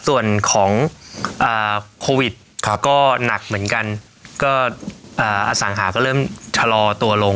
ส่วนของโควิดก็หนักเหมือนกันก็อสังหาก็เริ่มชะลอตัวลง